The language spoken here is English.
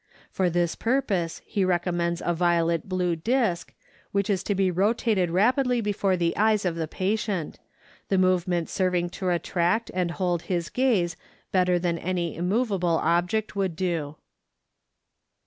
For this purpose he recommends a violet blue disk, which is to be rotated rapidly before the eyes of the patient, the movement serving to attract and hold his gaze better than any immovable object would do.